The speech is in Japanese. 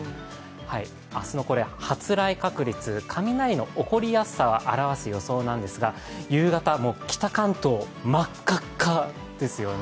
明日の発雷確率、雷の起こりやすさを表す予想なんですが夕方、北関東真っ赤っかですよね。